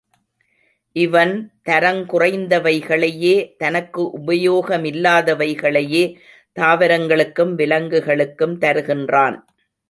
இவன் தரங்குறைந்தவைகளையே தனக்கு உபயோகமில்லாதவைகளையே தாவரங்களுக்கும் விலங்குகளுக்கும் தருகின்றான்.